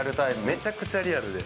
めちゃくちゃリアルで。